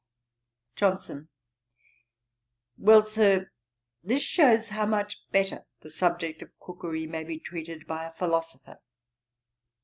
JOHNSON. 'Well, Sir. This shews how much better the subject of cookery may be treated by a philosopher.